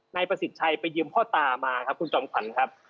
นายประสิทธิ์ชัยไปยืมพ่อตามาครับคุณจอมขวัญครับ